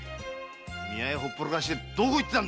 見合いをほっぽらかしてどこ行ってた？